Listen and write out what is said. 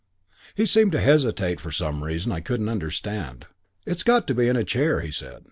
"He seemed to hesitate for some reason I couldn't understand. 'It's got to be in a chair,' he said.